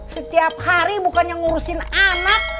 setiap hari bukannya ngurusin anak